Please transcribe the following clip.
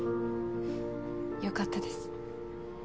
よかったです。